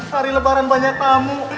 hari lebaran banyak tamu